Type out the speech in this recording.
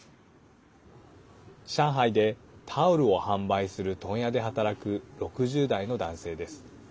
上海でタオルを販売する問屋で働く６０代の男性です。